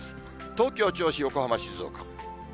東京、銚子、横浜、静岡。